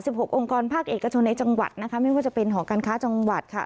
หกองค์กรภาคเอกชนในจังหวัดนะคะไม่ว่าจะเป็นหอการค้าจังหวัดค่ะ